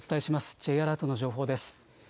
Ｊアラートの情報です。